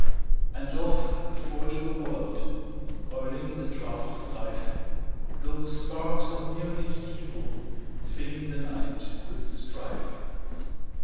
And off the forge of the world, Whirling in the draught of life, Go sparks of myriad people, fillingThe night with strife.